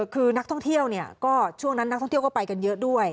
คือนักท่องเที่ยวเนี่ยก็ช่วงนั้นนักท่องเที่ยวก็ไปกันเยอะด้วย